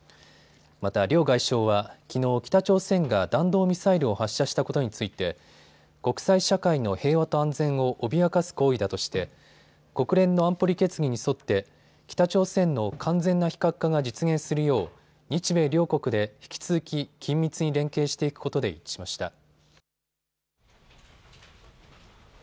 また両外相はきのう、北朝鮮が弾道ミサイルを発射したことについて国際社会の平和と安全を脅かす行為だとして国連の安保理決議に沿って北朝鮮の完全な非核化が実現するよう日米両国で引き続き緊密に連携していくことで一致しました。